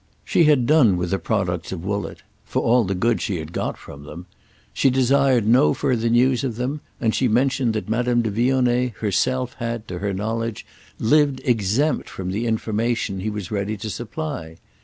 She had done with the products of Woollett—for all the good she had got from them. She desired no further news of them, and she mentioned that Madame de Vionnet herself had, to her knowledge, lived exempt from the information he was ready to supply.